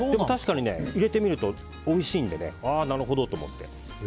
確かに入れてみるとおいしいんでなるほどと思って。